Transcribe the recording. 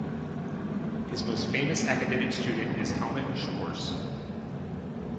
His most famous academic student is Helmut Schwarz.